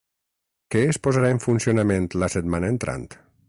Què es posarà en funcionament la setmana entrant?